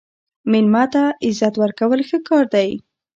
مېلمه ته عزت ورکول ښه کار دی.